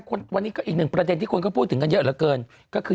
วันนี้ก็อีกหนึ่งประเด็นที่คนก็พูดถึงกันเยอะเหลือเกินก็คือ